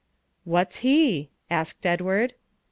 "What's he?" asked Edward.